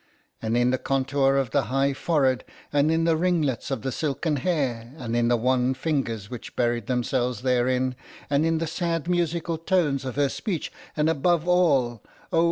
And in the contour of the high forehead, and in the ringlets of the silken hair, and in the wan fingers which buried themselves therein, and in the sad musical tones of her speech, and above all—oh!